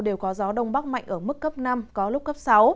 đều có gió đông bắc mạnh ở mức cấp năm có lúc cấp sáu